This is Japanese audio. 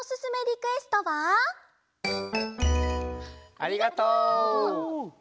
ありがとう。